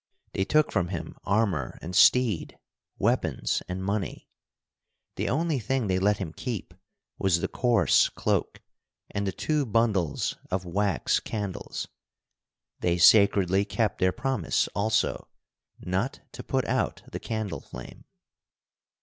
They took from him armor and steed, weapons and money. The only thing they let him keep was the coarse cloak and the two bundles of wax candles. They sacredly kept their promise, also, not to put out the candle flame.